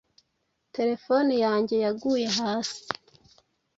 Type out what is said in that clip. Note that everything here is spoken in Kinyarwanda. telefone yanjye yaguye hasi